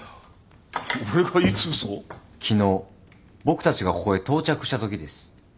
昨日僕たちがここへ到着したときです。